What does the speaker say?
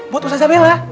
buat ustazah bella